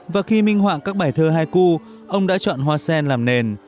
và khi minh họa các bài thơ haiku ông đã chọn hoa sen làm nền